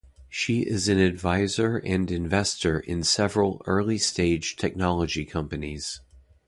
She is an advisor and investor in several early-stage technology companies.